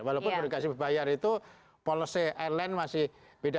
walaupun bagasi berbayar itu policy airline masih beda beda